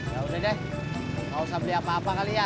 ya udah deh gak usah beli apa apa kali ya